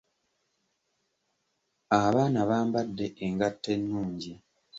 Abaana bambadde engatto ennungi.